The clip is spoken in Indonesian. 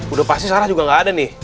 udah pasti sekarang juga gak ada nih